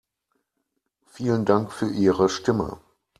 Vielen Dank für Ihre Stimme.